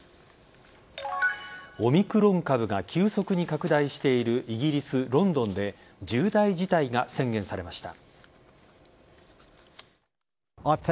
オミクロン株が急速に拡大しているイギリス・ロンドンで重大事態が宣言されました。